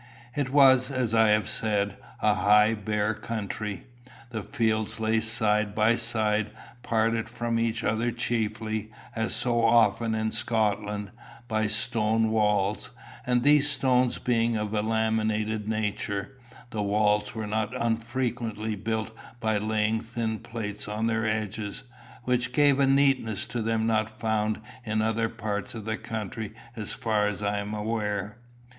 It was, as I have said, a high bare country. The fields lay side by side, parted from each other chiefly, as so often in Scotland, by stone walls; and these stones being of a laminated nature, the walls were not unfrequently built by laying thin plates on their edges, which gave a neatness to them not found in other parts of the country as far as I am aware.